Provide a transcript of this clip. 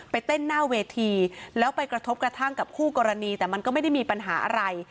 เต้นหน้าเวทีแล้วไปกระทบกระทั่งกับคู่กรณีแต่มันก็ไม่ได้มีปัญหาอะไร